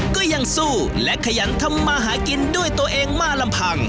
ก็ยังสู้และขยันทำมาหากินด้วยตัวเองมาลำพัง